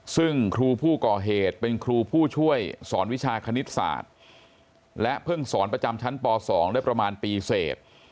ซึ่งครูผู้ก่อเหตุเป็นครูผู้ช่วยสอนวิชาคณิตศาสตร์และเพิ่งสอนประจำชั้นป๒ได้ประมาณปีเสร็จ